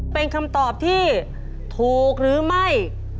เป็นคำตอบที่ถูกหรือไม่